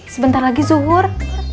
sebentar lagi zuhur